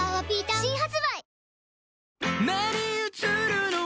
新発売